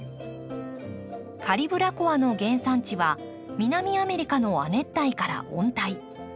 カリブラコアの原産地は南アメリカの亜熱帯から温帯。